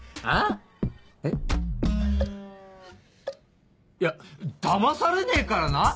あ？えっ？いやだまされねえからな！